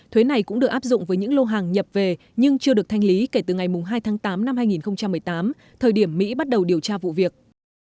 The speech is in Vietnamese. thuế này cũng được áp dụng với những lô hàng nhập về nhưng chưa được thanh lý kể từ ngày hai tháng tám năm hai nghìn một mươi tám thời điểm mỹ bắt đầu điều tra vụ việc